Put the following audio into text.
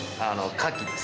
カキです。